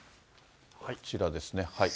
こちらですね。